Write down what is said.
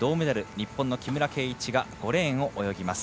日本の木村敬一が５レーンを泳ぎます。